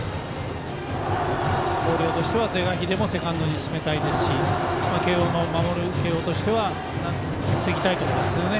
広陵としては是が非でもセカンドに進めたいですし守る慶応としては防ぎたいところですね。